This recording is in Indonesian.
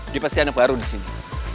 dia pasti ada baru disini